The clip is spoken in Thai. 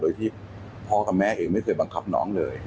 โดยที่พ่อกับแม่เองไม่เคยบังคับน้องเลย